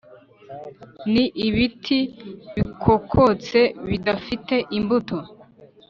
ni ibiti bikokotse bidafite imbuto